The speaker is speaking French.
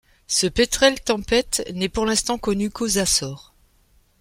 Ce pétrel-tempête n'est pour l'instant connu qu'aux Açores.